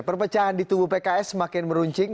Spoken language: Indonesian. perpecahan di tubuh pks semakin meruncing